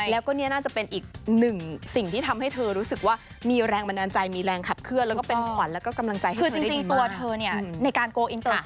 แล้วก็เนี่ยน่าจะเป็นอีกหนึ่งสิ่งที่ทำให้เธอรู้สึกว่ามีแรงบันดาลใจมีแรงขับเคลื่อนแล้วก็เป็นขวัญแล้วก็กำลังใจให้เธอได้ดีมาก